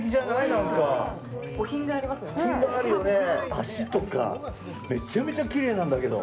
足とかめちゃめちゃきれいなんだけど。